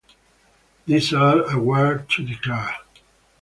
These are awarded to declarer.